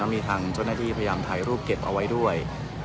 มีทางเจ้าหน้าที่พยายามถ่ายรูปเก็บเอาไว้ด้วย